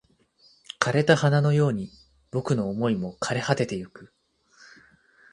枯れた花のように僕の想いも枯れ果ててゆく